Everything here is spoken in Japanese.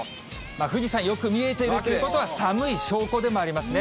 富士山、よく見えているということは、寒い証拠でもありますね。